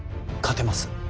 勝てます